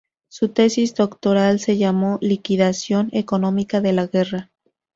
Su tesis doctoral se llamó "Liquidación económica de la Guerra".